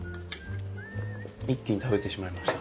一気に食べてしまいました。